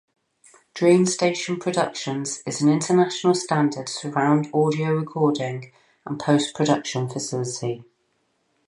Dream Station Productions is an international standard surround audio recording and post production facility.